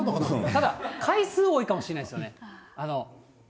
ただ、回数多いかもしれないですよね。